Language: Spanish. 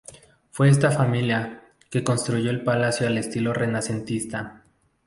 Fue esta familia, que reconstruyó el palacio al estilo renacentista.